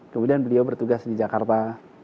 kemudian beliau bertugas di jakarta